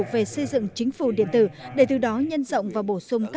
về xây dựng chính phủ điện tử